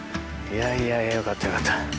いやいやよかったよかった。